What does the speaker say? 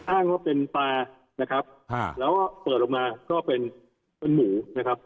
อ้างว่าเป็นปลานะครับแล้วก็เปิดออกมาก็เป็นเป็นหมูนะครับ